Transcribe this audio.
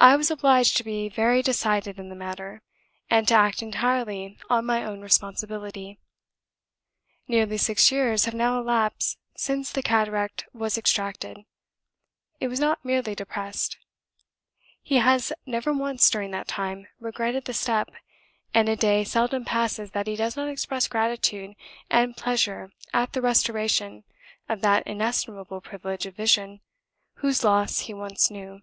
I was obliged to be very decided in the matter, and to act entirely on my own responsibility. Nearly six years have now elapsed since the cataract was extracted (it was not merely depressed); he has never once during that time regretted the step, and a day seldom passes that he does not express gratitude and pleasure at the restoration of that inestimable privilege of vision whose loss he once knew."